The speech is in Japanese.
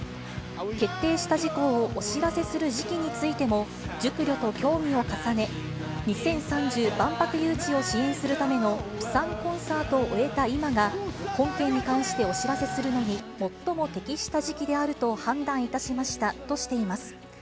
決定した事項をお知らせする時期についても、熟慮と協議を重ね、２０３０万博誘致を支援するためのプサンコンサートを終えた今が、本件に関してお知らせするのに最も適した時期であると判断いたしましたとしています。